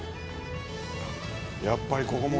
「やっぱりここも」